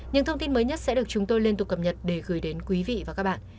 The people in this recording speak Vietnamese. những thông tin mới nhất sẽ được chúng tôi liên tục cập nhật để gửi đến quý vị và các bạn